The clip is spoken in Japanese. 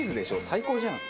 最高じゃん。